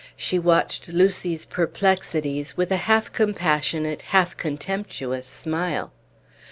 She watched Lucy's perplexities with a half compassionate, half contemptuous smile.